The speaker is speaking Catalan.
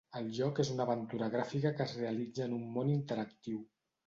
El joc és una aventura gràfica que es realitza en un món interactiu.